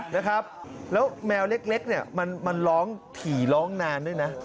นะครับแล้วแมวเล็กเนี่ยมันร้องถี่ร้องนานด้วยนะ